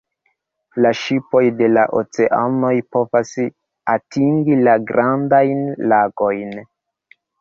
La ŝipoj de la oceanoj povas atingi la Grandajn Lagojn.